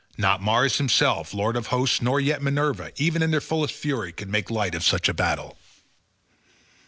Not Mars himself the lord of hosts, nor yet Minerva, even in their fullest fury could make light of such a battle.